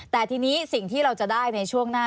แต่ทีนี้สิ่งที่เราจะได้ในช่วงหน้า